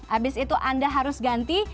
habis itu anda harus ganti